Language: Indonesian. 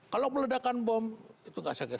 kalau peledakan bom itu tidak sakit